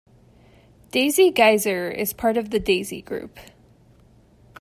Daisy Geyser is part of the Daisy Group.